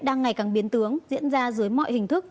đang ngày càng biến tướng diễn ra dưới mọi hình thức